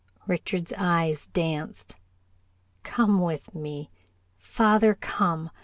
Richard's eyes danced. "Come with me, father, come.